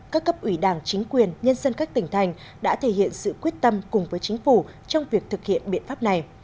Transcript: các cấp ủy đảng chính quyền nhân dân các tỉnh thành đã thể hiện sự quyết tâm cùng với chính phủ trong việc thực hiện biện pháp này